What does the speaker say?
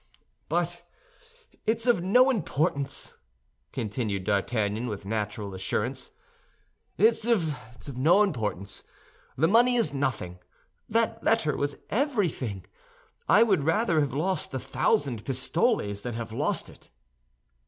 "But it's of no importance," continued D'Artagnan, with natural assurance; "it's of no importance. The money is nothing; that letter was everything. I would rather have lost a thousand pistoles than have lost it."